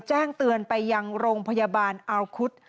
แจ้งเตือนไปยังโรงพยาบาลอาวุธ